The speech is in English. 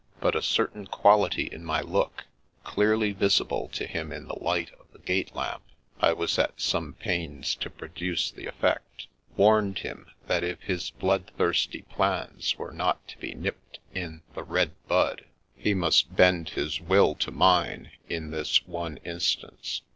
But a certain quality in my look, clearly visible to him in the light of the gate lamp (I was at some pains to produce the effect), warned him that if his blood thirsty plans were not to be nipped in the red bud, he must bend his will to mine in this one instance.